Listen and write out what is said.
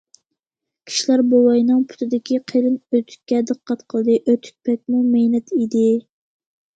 كىشىلەر بوۋاينىڭ پۇتىدىكى قېلىن ئۆتۈككە دىققەت قىلدى، ئۆتۈك بەكمۇ مەينەت ئىدى.